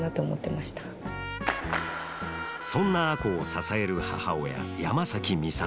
そんな亜子を支える母親山崎美里。